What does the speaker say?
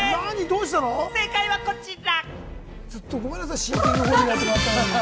正解は、こちら。